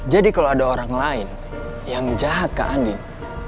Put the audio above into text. jadi kalau ada orang lain yang jahat ke andin